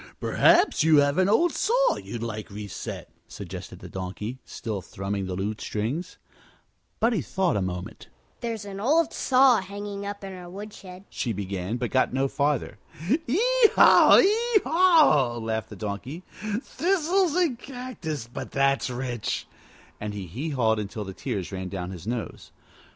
"Perhaps you have an old saw you'd like reset," suggested the Donkey, still thrumming the lute strings. Buddie thought a moment. "There's an old saw hanging up in our woodshed," she began, but got no farther. "Hee haw! hee haw!" laughed the Donkey. "Thistles and cactus, but that's rich!" And he hee hawed until the tears ran down his nose.